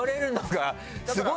すごい！